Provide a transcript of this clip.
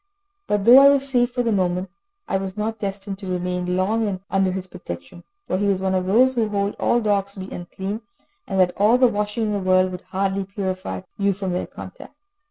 But though I was safe for the moment, I was not destined to remain long under his protection, for he was one of those who hold all dogs to be unclean, and that all the washing in the world will hardly purify you from their contact.